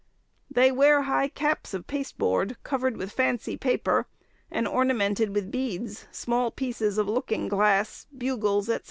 They wear high caps of pasteboard, covered with fancy paper, and ornamented with beads, small pieces of looking glass, bugles, &c.